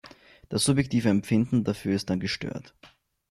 Das subjektive Empfinden dafür ist dann gestört.